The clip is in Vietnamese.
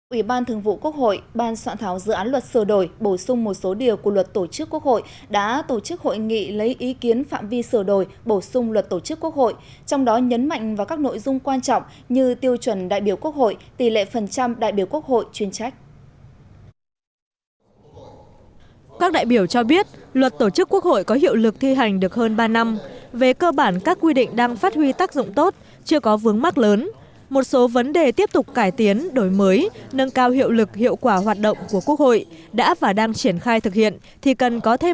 ủy ban thường vụ quốc hội ban soạn tháo dự án luật sửa đổi bổ sung một số điều của luật tổ chức quốc hội đã tổ chức hội nghị lấy ý kiến phạm vi sửa đổi bổ sung luật tổ chức quốc hội trong đó nhấn mạnh vào các nội dung quan trọng như tiêu chuẩn đại biểu quốc hội tỷ lệ phần trăm đại biểu quốc hội chuyên trách